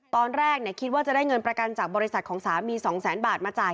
ตอนแรกคิดว่าจะได้เงินประกันจากบริษัทของสามี๒แสนบาทมาจ่าย